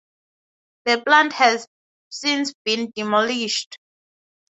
The plant has since been demolished.